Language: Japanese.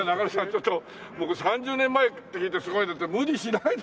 ちょっと僕３０年前って聞いてすごい無理しないで。